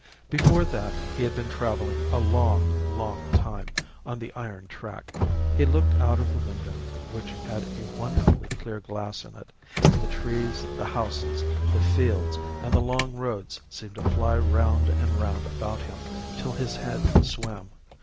"Before that he had been travelling a long, long time on the iron track. He looked out of the window, which had a wonderfully clear glass in it, and the trees, the houses, the fields, and the long roads seemed to fly round and round about him till his head swam.